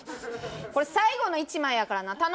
これ最後の１枚やからな。